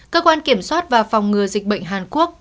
cơ quan kiểm soát và phòng ngừa dịch bệnh hàn quốc